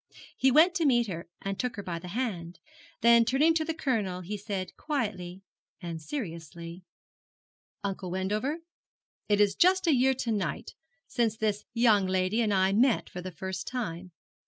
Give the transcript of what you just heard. He went to meet her, and took her by the hand; then turning to the Colonel he said quietly and seriously, 'Uncle Wendover, it is just a year to night since this young lady and I met for the first time.